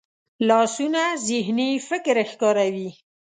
لاسونه ذهني فکر ښکاروي